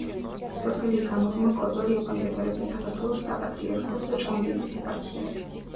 სოფელი გამოღმა კოდორი ექვემდებარება საქართველოს საპატრიარქოს ჭყონდიდის ეპარქიას.